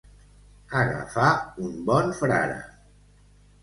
Agafar un bon frare.